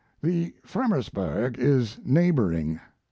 The "Fremersberg" is neighboring.